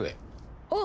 あ！